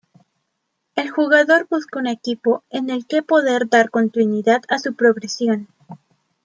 El jugador busca un equipo en el que poder dar continuidad a su progresión.